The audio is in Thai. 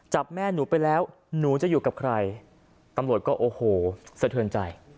แม่หนูไปแล้วหนูจะอยู่กับใครตำรวจก็โอ้โหสะเทือนใจ